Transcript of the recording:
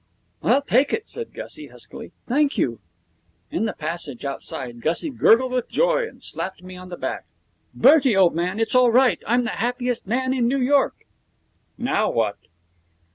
'I'll take it,' said Gussie, huskily. 'Thank you.' In the passage outside, Gussie gurgled with joy and slapped me on the back. 'Bertie, old man, it's all right. I'm the happiest man in New York.' 'Now what?'